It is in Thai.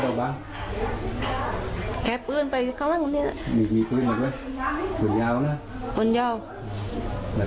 เอาดูใหญ่ใหหน่ะผ่วงเยา